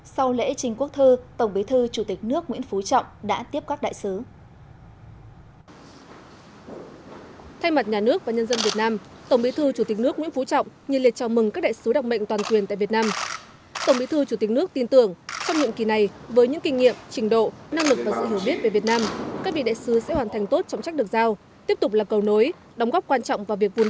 sau lễ trình quốc thư tổng bí thư chủ tịch nước nguyễn phú trọng đã tiếp các đại sứ